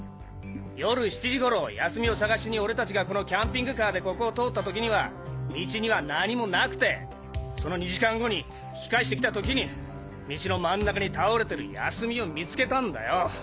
夜７時頃泰美を捜しに俺達がこのキャンピングカーでここを通った時には道には何もなくてその２時間後に引き返して来た時に道の真ん中に倒れてる泰美を見つけたんだよ！